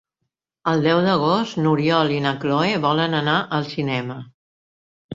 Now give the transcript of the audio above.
El deu d'agost n'Oriol i na Cloè volen anar al cinema.